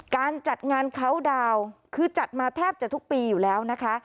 การจัดงานเขาดาวน์คือจัดมาแทบจะทุกปีอยู่แล้วนะคะ